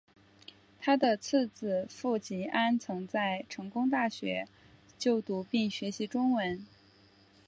他的次子傅吉安曾在成功大学就读并学习中文。